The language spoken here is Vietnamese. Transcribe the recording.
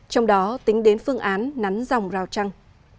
trong đó tính đến phương án nắn dòng rào trăng